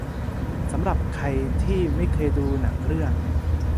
สำหรับใครที่ไม่เคยดูหนังเรื่อง